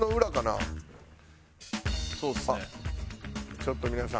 ちょっと皆さん